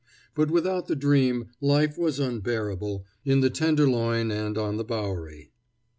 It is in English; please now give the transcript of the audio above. But without the dream life was unbearable, in the Tenderloin and on the Bowery.